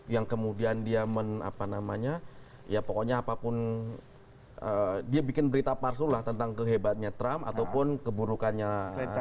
yang kemudian dia men apa namanya ya pokoknya apapun dia bikin berita palsu lah tentang kehebatnya trump ataupun keburukannya